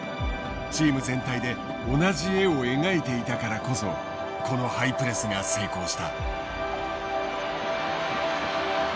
チーム全体で同じ絵を描いていたからこそこのハイプレスが成功した。